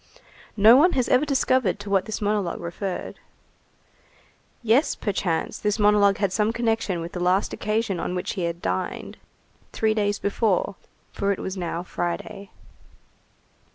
No one has ever discovered to what this monologue referred. Yes, perchance, this monologue had some connection with the last occasion on which he had dined, three days before, for it was now Friday.